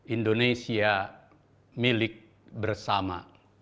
indonesia milik bersama